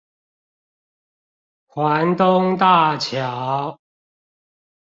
環東大橋